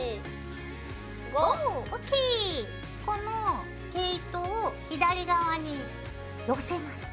この毛糸を左側に寄せます。